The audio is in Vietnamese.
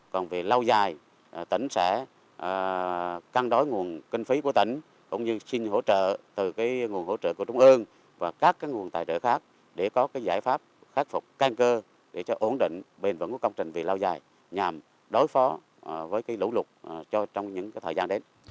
còn việc lau dài tỉnh sẽ cân đối nguồn kinh phí của tỉnh cũng như xin hỗ trợ từ nguồn hỗ trợ của trung ương và các nguồn tài trợ khác để có giải pháp khắc phục can cơ để cho ổn định bền vững công trình việc lau dài nhằm đối phó với lũ lụt trong những thời gian đến